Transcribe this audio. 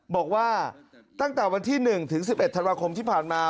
บอกว่าตั้งแต่วันที่๑ถึง๑๑ธันวาคมที่ผ่านมา